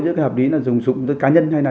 giữa hợp lý dùng dùng cá nhân hay là